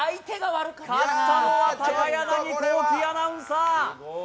勝ったのは高柳光希アナウンサー